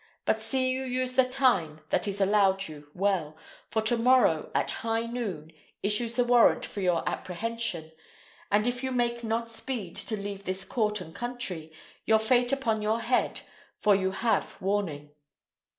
But see you use the time that is allowed you well, for to morrow, at high noon, issues the warrant for your apprehension, and if you make not speed to leave this court and country, your fate upon your head, for you have warning."